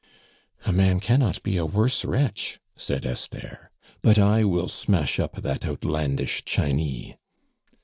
"A man cannot be a worse wretch," said Esther. "But I will smash up that outlandish Chinee."